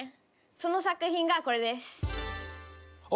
その作品がこれです。